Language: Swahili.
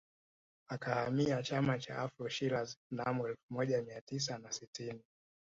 Akahamia Chama cha Afro Shirazi mnamo elfu moja mia tisa na sitini